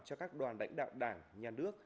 cho các đoàn đảnh đạo đảng nhà nước